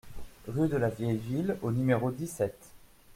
Rue de la Vieille Ville au numéro dix-sept